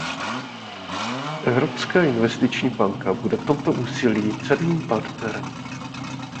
Evropská investiční banka bude v tomto úsilí cenným partnerem.